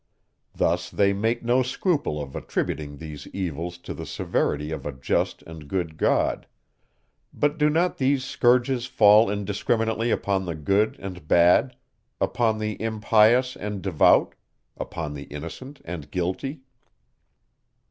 Thus, they make no scruple of attributing these evils to the severity of a just and good God. But, do not these scourges fall indiscriminately upon the good and bad, upon the impious and devout, upon the innocent and guilty?